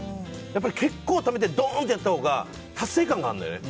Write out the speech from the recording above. やっぱり結構ためてドンとやったほうが達成感があるのよね。